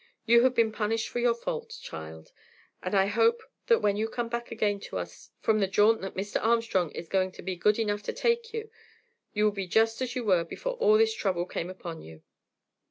You have been punished for your fault, child, and I hope that when you come back again to us from the jaunt that Mr. Armstrong is going to be good enough to take you, you will be just as you were before all this trouble came upon you."